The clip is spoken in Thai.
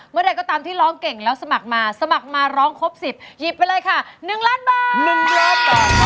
ใดก็ตามที่ร้องเก่งแล้วสมัครมาสมัครมาร้องครบ๑๐หยิบไปเลยค่ะ๑ล้านบาท๑ล้านบาท